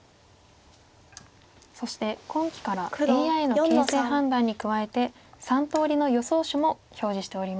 ＡＩの形勢判断に加えて３通りの予想手も表示しております。